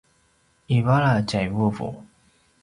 ivala tjai vuvu